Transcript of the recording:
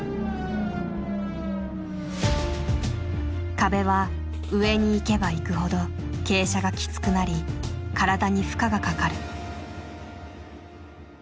壁は上に行けば行くほど傾斜がきつくなり体に負荷がかかる。